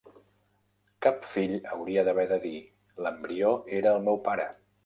Cap fill hauria d'haver de dir: "L'embrió era el meu pare".